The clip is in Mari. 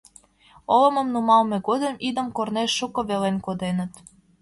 Олымым нумалме годым идым корнеш шуко велен коденыт...